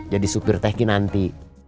jadi supir teki nanti